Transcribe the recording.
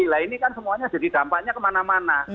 nah ini kan semuanya jadi dampaknya kemana mana